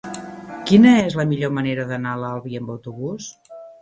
Quina és la millor manera d'anar a l'Albi amb autobús?